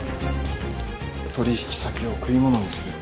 取引先を食い物にする。